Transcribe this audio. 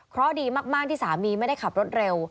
เพราะดีมากที่สามีไม่ได้ขับรถเร็ว